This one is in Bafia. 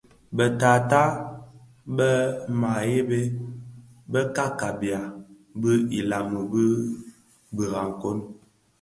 Be taatôh be be mahebe bë ka kabiya bi ilami ki birakoň.